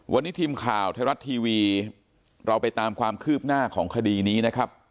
วันนี้ทีมข่าวไทยรัฐทีวีเราไปตามความคืบหน้าของคดีนี้นะครับ